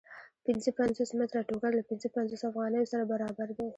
پنځه پنځوس متره ټوکر له پنځه پنځوس افغانیو سره برابر دی